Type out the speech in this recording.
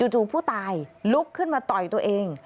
ผู้ตายลุกขึ้นมาต่อยตัวเอง